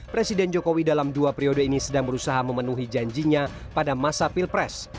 presiden jokowi dalam dua periode ini sedang berusaha memenuhi janjinya pada masa pilpres